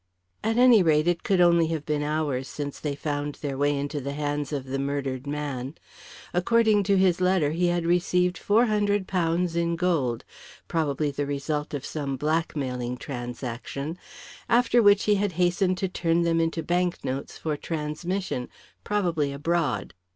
At any rate, it could only have been hours since they found their way into the hands of the murdered man. According to his letter, he had received £400 in gold probably the result of some blackmailing transaction after which he had hastened to turn them into banknotes for transmission, probably abroad.